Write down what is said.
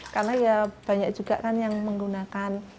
karena ya banyak juga kan yang menggunakan